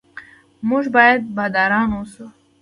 موږ باید باداران اوسو.